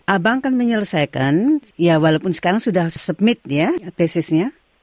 abang kan menyelesaikan ya walaupun sekarang sudah semit ya tesisnya